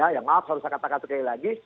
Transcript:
ya maaf salah saya kata kata sekali lagi